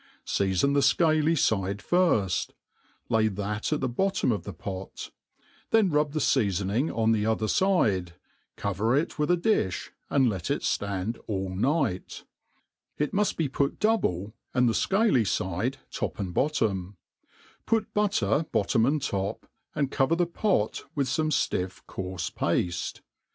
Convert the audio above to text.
Seafon the fcaly fide firft, lay that at the bottoitt of the pot; then rub tKe feafoning oh the other fide, cover it with a difii, and let it ftadd all night* It muft be put doubte^ and the fcaly fide, top and bottom^; put butter bottom and top^ and cover the pot v^ith fome ftiff coarfe pafte.